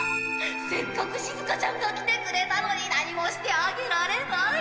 せっかくしずかちゃんが来てくれたのに何もしてあげられない。